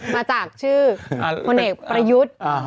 มาจากชื่อพลเอกประยุทธ์